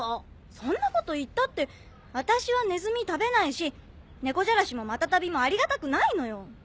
そんなこと言ったって私はネズミ食べないしねこじゃらしもマタタビもありがたくないのよ。